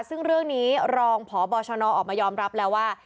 ซึ่งเรื่องนี้รองพบชนออกมายอมรับแล้วว่า